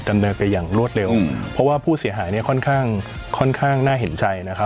ดำเนินไปอย่างรวดเร็วเพราะว่าผู้เสียหายเนี่ยค่อนข้างค่อนข้างน่าเห็นใจนะครับ